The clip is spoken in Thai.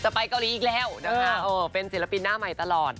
จะไปเกาหลีอีกแล้วเป็นศิลปิณ์หน้าใหม่ตลอดนะคะ